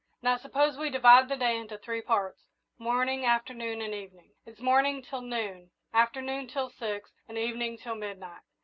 Now, suppose we divide the day into three parts morning, afternoon, and evening. It's morning till noon, afternoon till six, and evening till midnight.